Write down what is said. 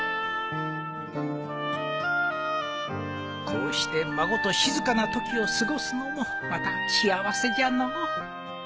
こうして孫と静かなときを過ごすのもまた幸せじゃの